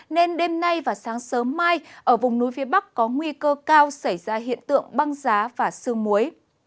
nên đêm nay và sáng sớm mai ở vùng núi phía bắc có nguy cơ cao xảy ra hiện tượng băng giá và sương muối